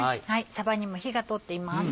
さばにも火が通っています。